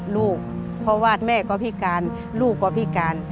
ลูกเพราะว่าแม่ก็พิการลูกก็พิการ